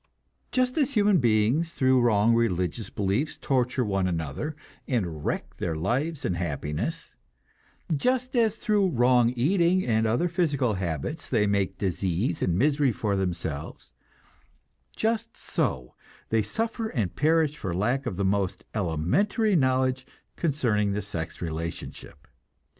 Just as human beings through wrong religious beliefs torture one another, and wreck their lives and happiness; just as through wrong eating and other physical habits they make disease and misery for themselves; just so they suffer and perish for lack of the most elementary knowledge concerning the sex relationship.